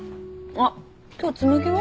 あっ今日紬は？